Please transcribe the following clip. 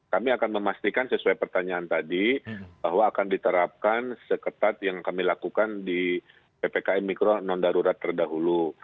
kami akan memastikan sesuai pertanyaan tadi bahwa akan diterapkan seketat yang kami lakukan di ppkm mikro non darurat terdahulu